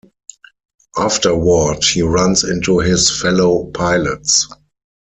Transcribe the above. Afterward, he runs into his fellow pilots.